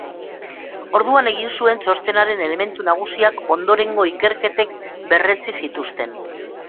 Orduan egin zuen txostenaren elementu nagusiak ondorengo ikerketek berretsi zituzten.